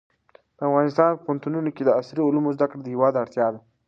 د افغانستان په پوهنتونونو کې د عصري علومو زده کړه د هېواد اړتیا ده.